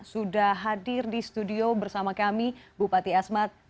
sudah hadir di studio bersama kami bupati asmat